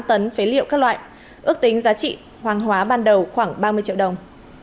hai tấn phế liệu các loại ước tính giá trị hoàng hóa ban đầu khoảng ba mươi triệu đồng